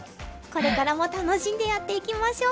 これからも楽しんでやっていきましょう！